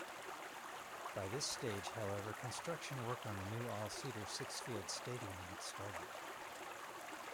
By this stage, however, construction work on the new all-seater Sixfields Stadium had started.